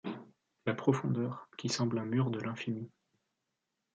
La Profondeur, qui semble un mur de l’infini